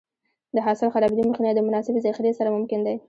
د حاصل د خرابېدو مخنیوی د مناسبې ذخیرې سره ممکن دی.